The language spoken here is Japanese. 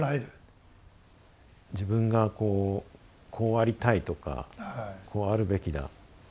自分がこうこうありたいとかこうあるべきだ。